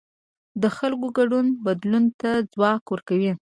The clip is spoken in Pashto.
د خلکو ګډون بدلون ته ځواک ورکوي